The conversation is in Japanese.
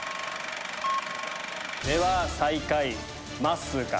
では最下位まっすーか？